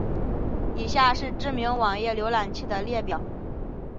以下是知名的网页浏览器的列表。